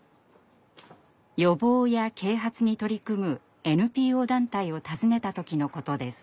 予防や啓発に取り組むＮＰＯ団体を訪ねた時のことです。